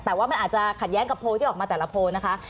แต่ว่ามันอาจจะขัดแย้งกับโพลที่ออกมาแต่ละโพลนะคะ